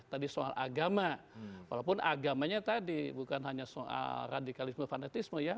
tadi soal agama walaupun agamanya tadi bukan hanya soal radikalisme fanatisme ya